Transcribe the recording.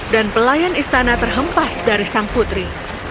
pelayan istana terhempas dari sang putri